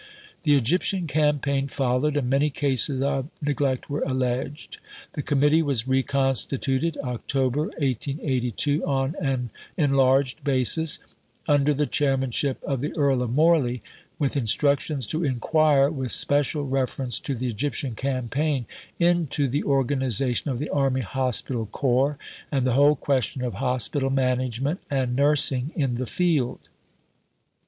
The Egyptian campaign followed, and many cases of neglect were alleged. The Committee was reconstituted (Oct. 1882) on an enlarged basis, under the chairmanship of the Earl of Morley, with instructions to inquire, with special reference to the Egyptian campaign, into the organization of the Army Hospital Corps and the whole question of hospital management and nursing in the field.